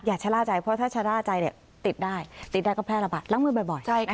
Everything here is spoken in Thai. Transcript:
ชะล่าใจเพราะถ้าชะล่าใจติดได้ติดได้ก็แพร่ระบาดล้างมือบ่อย